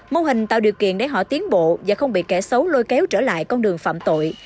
mô hình tạo điều kiện để họ tiến bộ và không bị kẻ xấu lôi kéo trở lại con đường phạm tội